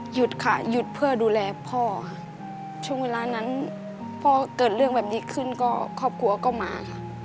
หยุดค่ะหยุดเพื่อดูแลพ่อค่ะช่วงเวลานั้นพ่อเกิดเรื่องแบบนี้ขึ้นก็ครอบครัวก็มาค่ะ